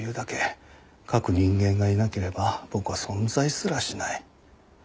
書く人間がいなければ僕は存在すらしない。